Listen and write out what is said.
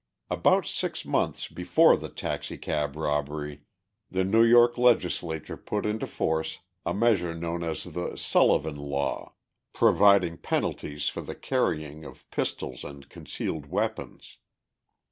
About six months before the taxicab robbery, the New York legislature put into force a measure known as the "Sullivan law," providing penalties for the carrying of pistols and concealed weapons.